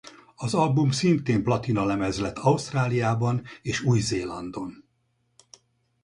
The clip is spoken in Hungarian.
Az album szintén platinalemez lett Ausztráliában és Új-Zélandon.